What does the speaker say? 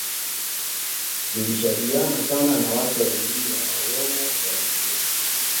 zilishabihiana sana na watu wa jamii ya Waoromo wa Ethiopia